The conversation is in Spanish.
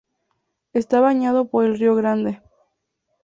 Está bañado por el Rio Grande.